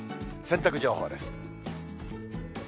洗濯情報です。